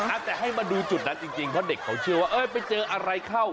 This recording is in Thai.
อาจจะให้มาดูจุดนั้นจริงจริงเพราะเด็กเขาเชื่อว่าเอ้ยไปเจออะไรเข้า